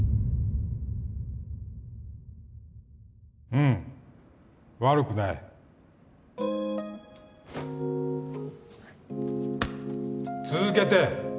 うん悪くない続けて！